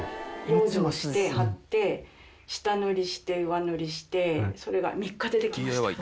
養生して貼って下塗りして上塗りしてそれが３日でできました。